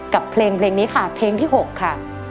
กับเพลงนี้ค่ะเพลงที่๖ค่ะ